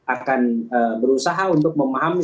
akan berusaha untuk memahami